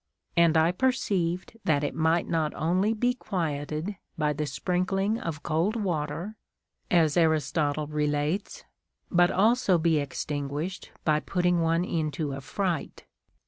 And I perceived that it might not only be quieted by the sprinkling of cold Avater, as Aristotle relates, but also be extinguished by put ting one into a fright.